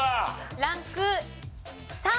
ランク３。